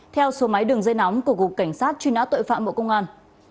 theo số máy đường dây nóng của cục cảnh sát truy nã tội phạm bộ công an